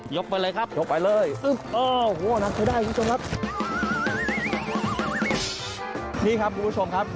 ไปเลยครับยกไปเลยโอ้โหนับใช้ได้คุณผู้ชมครับนี่ครับคุณผู้ชมครับ